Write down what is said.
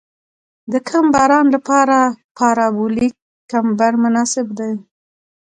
د کم باران لپاره پارابولیک کمبر مناسب دی